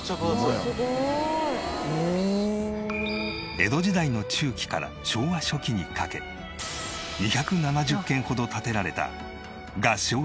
江戸時代の中期から昭和初期にかけ２７０軒ほど建てられた合掌造りの家屋。